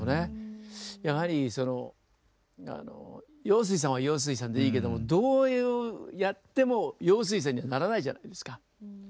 やはりそのあの陽水さんは陽水さんでいいけどもどういうやっても陽水さんにはならないじゃないですか。